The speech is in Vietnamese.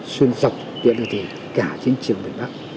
xuyên dọc tuyến đường thì cả trên trường miền bắc